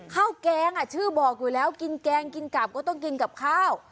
แกงชื่อบอกอยู่แล้วกินแกงกินกลับก็ต้องกินกับข้าว